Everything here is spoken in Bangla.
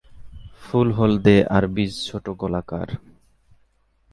ফুল হলদে, এর বীজ ছোটো গোলাকার।